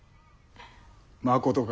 まことか？